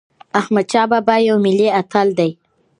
احمدشاه بابا یو ملي اتل دی.